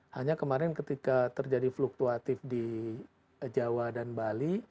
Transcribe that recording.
hanya kemarin ketika terjadi fluktuatif di jawa dan bali